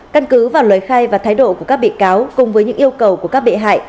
căn cứ vào lời khai và thái độ của các bị cáo cùng với những yêu cầu của các bị hại